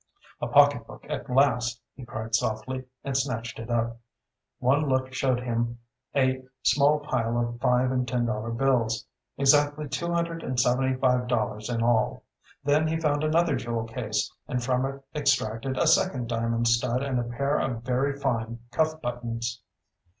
"A pocketbook at last!" he cried softly, and snatched it up. One look showed him a, small pile of five and ten dollar bills, exactly two hundred and seventy five dollars in all. Then he found another jewel case, and from it extracted a second diamond stud and a pair of very fine cuff buttons.